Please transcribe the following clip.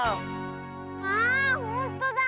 あほんとだ！